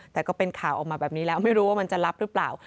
แต่ก็เป็นข่าวออกมาแบบนี้แล้วไม่รู้ว่ามันจะรับหรือเปล่า